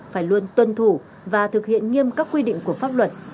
phải luôn tuân thủ và thực hiện nghiêm các quy định của pháp luật